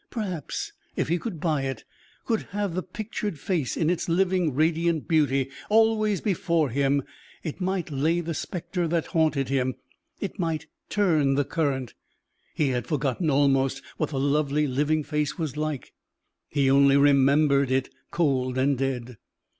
Perhaps if he could buy it could have the pictured face in its living, radiant beauty always before him, it might lay the specter that haunted him; it might turn the current. He had forgotten almost what the lovely, living face was like; he only remembered it cold and dead.